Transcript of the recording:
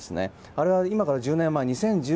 あれは今から１０年前の２０１２年